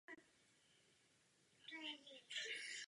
Byl členem první kubánské komunistické strany.